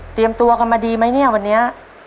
ตัวกันมาดีไหมเนี่ยวันนี้